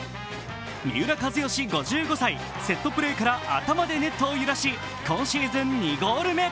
三浦知良５５歳、セットプレーから頭でネットを揺らし今シーズン２ゴール目。